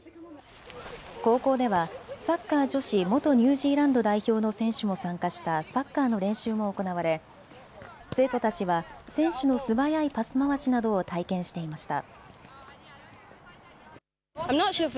高校ではサッカー女子元ニュージーランド代表の選手も参加したサッカーの練習も行われ生徒たちは選手の素早いパス回しなどを体験していました。